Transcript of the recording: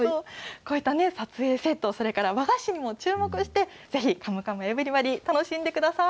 こういった撮影セット、それから和菓子にも注目して、ぜひ、カムカムエヴリバディ楽しんでください。